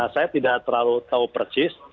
saya tidak terlalu tahu persis